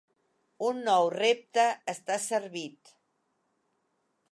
Un nou repte està servit.